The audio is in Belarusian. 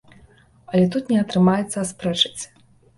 Але тут не атрымаецца аспрэчыць.